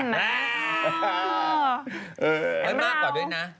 มากกว่าด้วยนะ